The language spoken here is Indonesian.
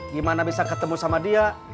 gimana bisa ketemu sama dia